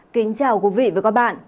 kính chào quý vị và các bạn